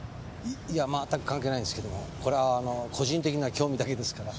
いや全く関係ないんですけどもこれは個人的な興味だけですから。